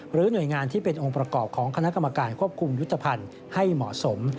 หน่วยงานที่เป็นองค์ประกอบของคณะกรรมการควบคุมยุทธภัณฑ์ให้เหมาะสม